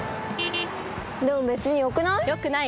でも別によくない？